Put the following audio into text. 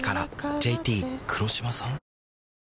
ＪＴ黒島さん？